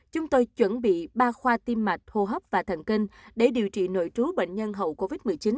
chúng tôi chuẩn bị ba khoa tiêm mạch hô hấp và thần kinh để điều trị nội trú bệnh nhân hậu covid một mươi chín